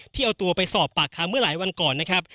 ที่เอาตัวไปสอบปากคำเมื่อหลายวันก่อนนะครับ